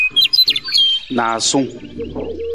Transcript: Naasung.